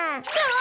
わ！